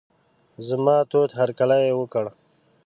زما تود هرکلی یې وکړ.